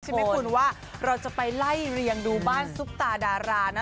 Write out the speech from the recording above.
ใช่ไหมคุณว่าเราจะไปไล่เรียงดูบ้านซุปตาดารานะ